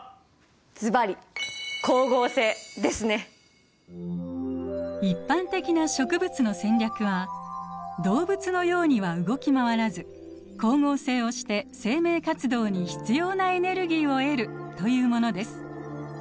ずばり一般的な植物の戦略は動物のようには動き回らず光合成をして生命活動に必要なエネルギーを得るというものです。